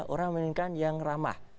orang menginginkan yang ramah